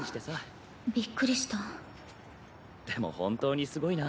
でも本当にすごいな。